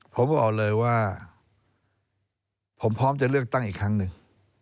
ผมบอกเลยว่าผมพร้อมจะเลือกตั้งอีกครั้งหนึ่ง